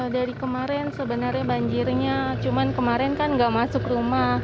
dari kemarin sebenarnya banjirnya cuma kemarin kan nggak masuk rumah